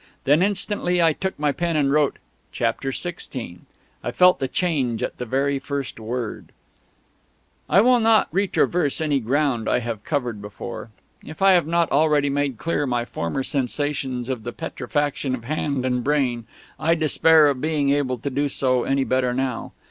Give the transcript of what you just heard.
Then instantly I took my pen and wrote, "Chapter Sixteen...." I felt the change at the very first word. I will not retraverse any ground I have covered before. If I have not already made clear my former sensations of the petrefaction of hand and brain, I despair of being able to do so any better now.